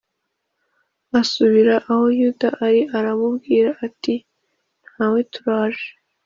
Asubira aho Yuda ari aramubwira ati Ntawe turaje